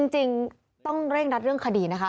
จริงต้องเร่งรัดเรื่องคดีนะคะ